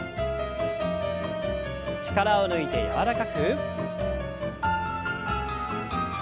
力を抜いて柔らかく。